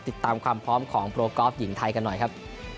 ติดตามความพร้อมของโปรกอล์ฟหญิงไทยกันหน่อยครับ